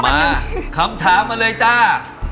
มาคำถามมาเลยจ้า